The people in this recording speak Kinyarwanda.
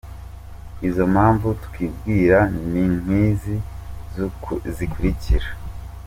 Izo mpamvu twibwira ni nk’izi zikurikira:.